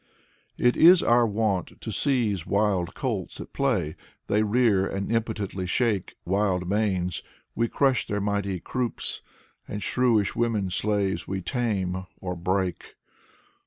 It is our wont to seize wild colts at play : They rear and impotently shake Wild manes — ^we crush their mighty croups. And shrewish women slaves we tame — or break.